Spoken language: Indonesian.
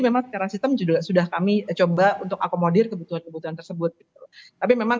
memang secara sistem juga sudah kami coba untuk akomodir kebutuhan kebutuhan tersebut tapi memang